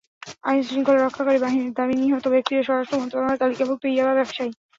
আইনশৃঙ্খলা রক্ষাকারী বাহিনীর দাবি, নিহত ব্যক্তিরা স্বরাষ্ট্র মন্ত্রণালয়ের তালিকাভুক্ত ইয়াবা ব্যবসায়ী।